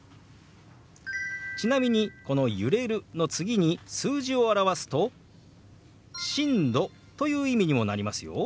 ちなみにこの「揺れる」の次に数字を表すと「震度」という意味にもなりますよ。